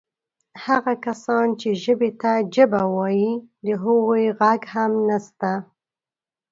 هغه کسان چې ژبې ته جبه وایي د هغو ږغ هم نسته.